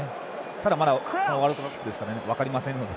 ただ、ワールドカップですからまだ分かりませんので。